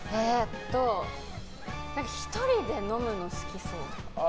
１人で飲むの好きそう。